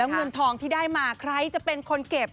เงินทองที่ได้มาใครจะเป็นคนเก็บ